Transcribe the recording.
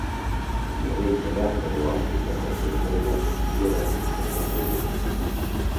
Bere izena Hego Afrikako Pretoria hiriagatik jasotzen du.